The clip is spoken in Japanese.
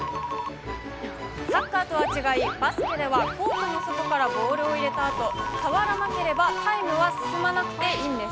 サッカーとは違い、バスケではコートの外からボールを入れたあと、触らなければタイムは進まなくていいんです。